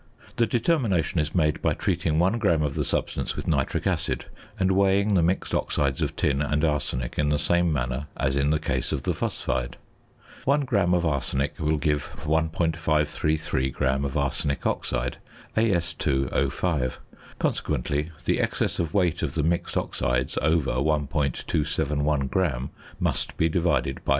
The determination is made by treating 1 gram of the substance with nitric acid and weighing the mixed oxides of tin and arsenic in the same manner as in the case of the phosphide. One gram of arsenic will give 1.533 gram of arsenic oxide, As_O_; consequently the excess of weight of the mixed oxides over 1.271 gram must be divided by 0.